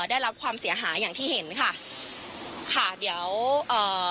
ได้รับความเสียหายอย่างที่เห็นค่ะค่ะเดี๋ยวเอ่อ